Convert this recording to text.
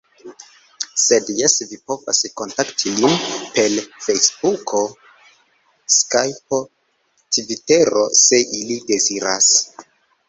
Sed, jes vi povas kontakti lin per fejsbuko, skajpo, tvitero se ili deziras.